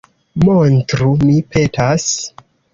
Montru, mi petas.